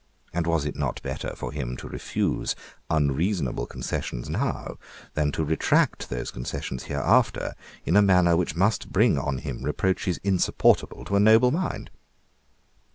And was it not better for him to refuse unreasonable concessions now than to retract those concessions hereafter in a manner which must bring on him reproaches insupportable to a noble mind?